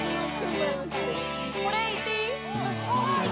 これいっていい？